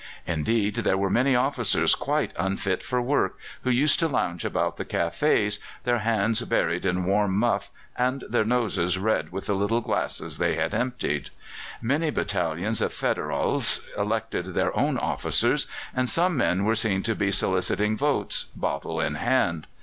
Indeed, there were many officers quite unfit for work, who used to lounge about the cafés, their hands buried in a warm muff and their noses red with the little glasses they had emptied. Many battalions of Federals elected their own officers, and some men were seen to be soliciting votes, bottle in hand.